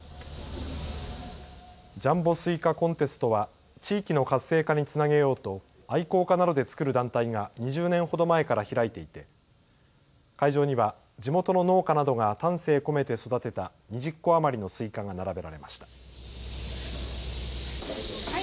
ジャンボスイカコンテストは地域の活性化につなげようと愛好家などで作る団体が２０年ほど前から開いていて会場には地元の農家などが丹精込めて育てた２０個余りのスイカが並べられました。